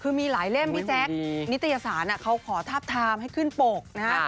คือมีหลายเล่มพี่แจ๊คนิตยสารเขาขอทาบทามให้ขึ้นปกนะฮะ